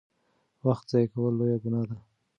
وخت ضایع کول لویه ګناه ده.